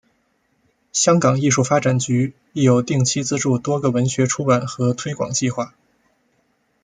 香港艺术发展局亦有定期资助多个文学出版和推广计划。